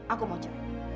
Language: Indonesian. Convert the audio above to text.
aku mau cerai